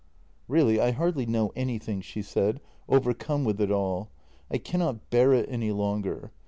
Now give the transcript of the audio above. " Really, I hardly know anything," she said, overcome with it all. " I cannot bear it any longer.